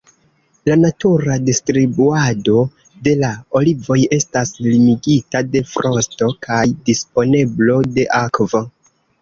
La natura distribuado de la olivoj estas limigita de frosto kaj disponeblo de akvo.